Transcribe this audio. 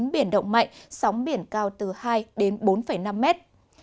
biển động mạnh sóng biển cao từ hai đến bốn năm mét